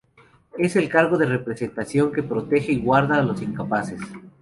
Es el cargo de representación que protege y guarda a los incapaces.